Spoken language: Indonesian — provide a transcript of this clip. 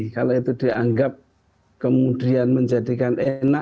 kalau itu dianggap kemudian menjadikan enak